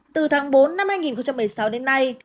từ tháng bốn năm hai nghìn một mươi sáu đến nay